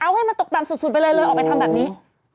เอาให้มันตกต่ำสุดไปเลยเลยออกไปทำแบบนี้